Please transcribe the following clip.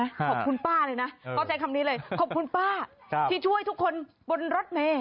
ขอบคุณป้าเลยนะเข้าใจคำนี้เลยขอบคุณป้าที่ช่วยทุกคนบนรถเมย์